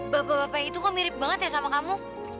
bapak bapak itu kok mirip banget ya sama kamu